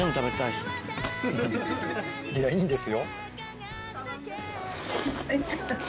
いやいいんですよ。